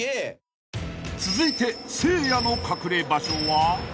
［続いてせいやの隠れ場所は？］